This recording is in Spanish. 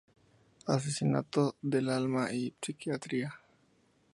Asesinato del Alma y Psiquiatría".